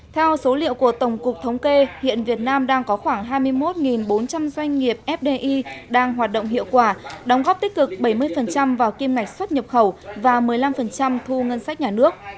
theo số liệu của tổng cục thống kê hiện việt nam đang có khoảng hai mươi một bốn trăm linh doanh nghiệp fdi đang hoạt động hiệu quả đóng góp tích cực bảy mươi vào kim ngạch xuất nhập khẩu và một mươi năm thu ngân sách nhà nước